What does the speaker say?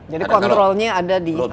jadi kontrolnya ada di indonesia